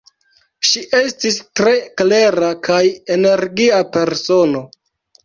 Ŝi estis tre klera kaj energia persono.